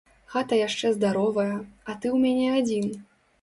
Хата яшчэ здаровая, а ты ў мяне адзін.